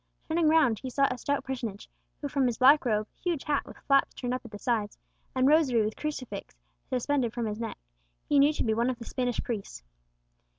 Turning round, he saw a stout personage, who from his black robe, huge hat with flaps turned up at the sides, and rosary with crucifix suspended from his neck, he knew to be one of the Spanish priests.